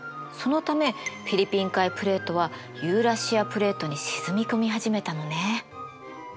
そのためフィリピン海プレートはユーラシアプレートに沈み込み始めたのね。